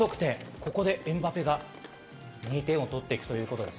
ここでエムバペが２点を取っていくということです。